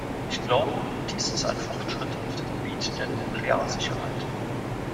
Ich glaube, dies ist ein Fortschritt auf dem Gebiet der Nuklearsicherheit.